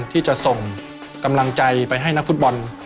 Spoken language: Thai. ที่จะส่งกำลังใจไปให้นักฟุตบอล